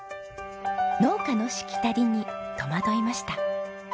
農家のしきたりに戸惑いました。